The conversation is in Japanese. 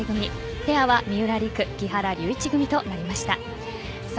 ペアは三浦璃来、木原龍一組となりました。